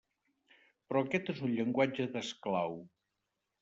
Però aquest és un llenguatge d'esclau.